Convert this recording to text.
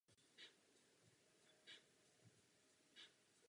Vztahy mezi bohy tohoto panteonu jsou však většinou nepřátelské.